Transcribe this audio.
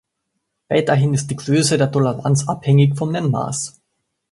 Weiterhin ist die Größe der Toleranz abhängig vom Nennmaß.